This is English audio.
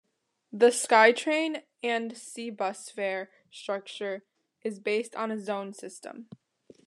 The SkyTrain and SeaBus fare structure is based on a zone system.